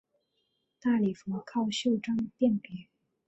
大礼服靠袖章辨别。